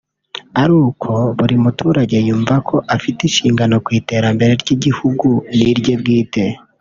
ari uko buri muturage yumva ko afite inshingano ku iterambere ry’igihugu n’irye bwite